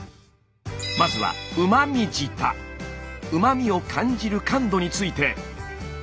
まずはうま味を感じる感度について。